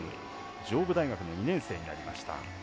上武大学の２年生になりました。